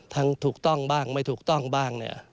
ทั้งถูกต้องบ้างไม่ถูกต้องบ้าง